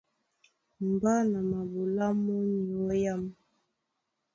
Mbá na maɓolá mɔ́ nyɔ̌ âm.